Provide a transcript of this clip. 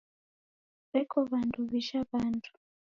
Weko W'andu wijha W'andu.